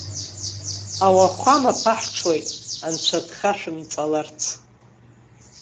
Ауахәама ԥаҳҽуеит анцәа дхашәымҵаларц.